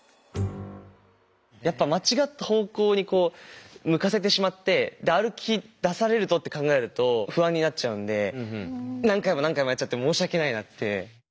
やっぱ間違った方向にこう向かせてしまって歩きだされるとって考えると不安になっちゃうんで何回も何回もやっちゃって申し訳ないなって。